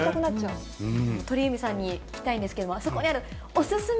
鳥海さんに聞きたいんですけど、あそこにあるお勧め